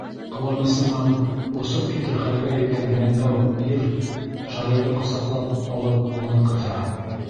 — Ҡыуанысынан осоп китер хәлгә еткән Бәндәүир шағирҙы ҡосаҡлап алып, ҡулын ҡыҫа.